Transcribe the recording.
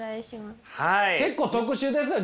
結構特殊ですよ